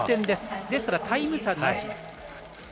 ですから、タイム差なし。